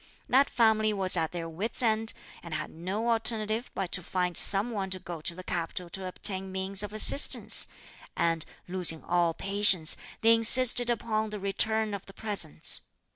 That family was at their wits' end, and had no alternative but to find some one to go to the capital to obtain means of assistance; and, losing all patience, they insisted upon the return of the presents.